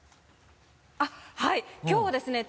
はいきょうはですね